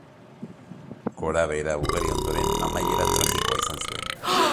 Gora-behera ugari ondoren, amaiera tragikoa izan zuen.